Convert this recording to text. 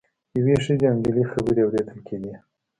یوې ښځې او نجلۍ خبرې اوریدل کیدې.